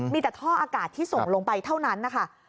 มีแต่ท่ออากาศที่ส่งลงไปเท่านั้นนะคะ